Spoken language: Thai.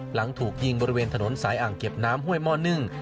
หลังถูกยิงบริเวณถนนสายอ่างเก็บน้ำห้วยหม้อนึ่ง